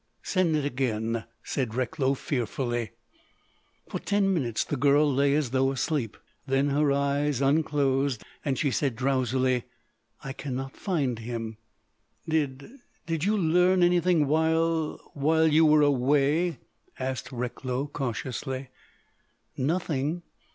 "Send it again," said Recklow, fearfully. For ten minutes the girl lay as though asleep, then her eyes unclosed and she said drowsily: "I can not find him." "Did—did you learn anything while—while you were—away?" asked Recklow cautiously. "Nothing.